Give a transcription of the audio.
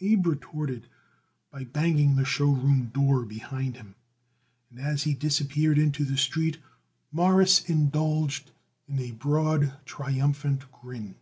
Abe retorted by banging the show room door behind him, and as he disappeared into the street Morris indulged in a broad, triumphant grin.